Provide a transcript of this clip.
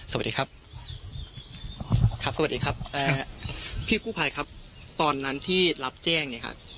สวัสดีครับครับสวัสดีครับเอ่อพี่กู้ภัยครับตอนนั้นที่รับแจ้งเนี่ยครับ